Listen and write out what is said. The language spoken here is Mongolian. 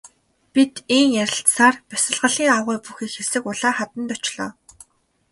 Бид ийн ярилцсаар бясалгалын агуй бүхий хэсэг улаан хаданд очлоо.